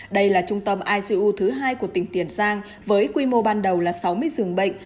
đây là trung tâm icu thứ hai của tỉnh tiền giang với quy mô ban đầu là sáu mươi giường bệnh